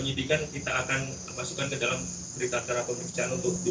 juga atau seperti apa